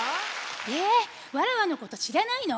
えわらわのことしらないの？